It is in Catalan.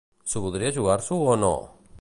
S'ho voldria jugar-s'ho o no?